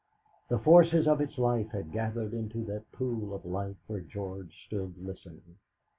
The forces of its life had gathered into that pool of light where George stood listening.